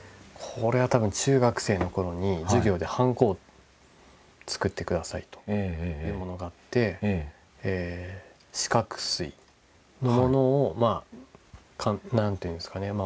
これは多分中学生の頃に授業でハンコを作って下さいというものがあって四角錐のものをまあ何ていうんですかね